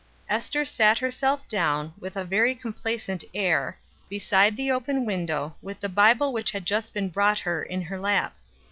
Ester sat herself down, with a very complacent air, beside the open window, with the Bible which had just been brought her, in her lap.